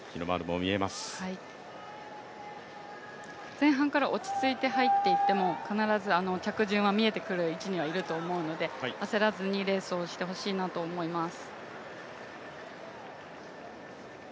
前半から落ち着いて入っていっても必ず着順は見えてくる位置にいると思うので焦らずにレースをしてほしいと思います。